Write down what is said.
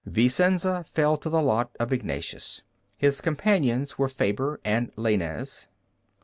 Vicenza fell to the lot of Ignatius. His companions were Faber and Laynez.